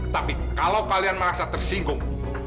tapi kalau kalian merasa tersinggung